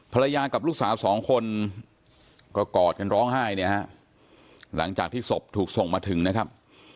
ภรรยากับลูกสาวสองคนก็กอดกันร้องไห้เนี่ยฮะหลังจากที่ศพถูกส่งมาถึงนะครับ